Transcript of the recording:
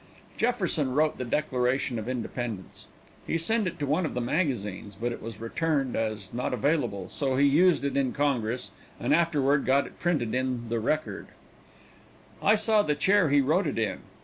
Jefferson wrote the Declaration of Independence. He sent it to one of the magazines, but it was returned as not available, so he used it in Congress and afterward got it printed in the Record. I saw the chair he wrote it in.